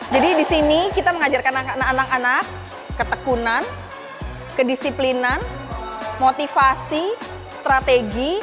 jadi di sini kita mengajarkan anak anak ketekunan kedisiplinan motivasi strategi